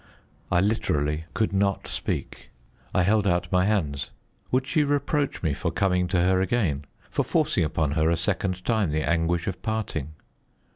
I literally could not speak. I held out my hands. Would she reproach me for coming to her again, for forcing upon her a second time the anguish of parting?